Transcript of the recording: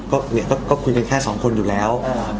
ก็คุยกันแค่สองคนอยู่แล้ว